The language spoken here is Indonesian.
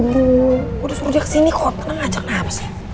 gue udah suruh dia kesini kok tenang aja kenapa sih